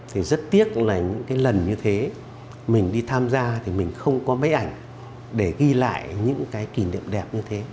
thì rất tiếc là những cái lần như thế mình đi tham gia thì mình không có mấy ảnh để ghi lại những cái kỷ niệm đẹp như thế